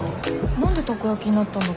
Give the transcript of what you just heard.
何でタコ焼きになったんだっけ。